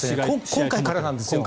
今回からなんですよ。